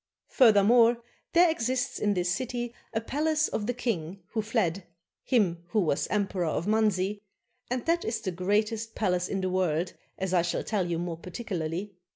Furthermore, there exists in this city the palace of the king who fled, him who was emperor of Manzi, and that is the greatest palace in the world, as I shall tell you more particularly.